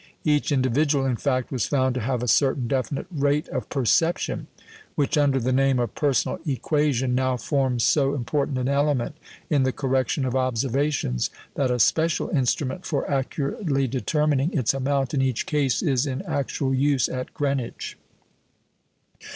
Each individual, in fact, was found to have a certain definite rate of perception, which, under the name of "personal equation," now forms so important an element in the correction of observations that a special instrument for accurately determining its amount in each case is in actual use at Greenwich.